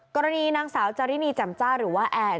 กรณีนางสาวจารินีจำจ้าหรือว่าแอน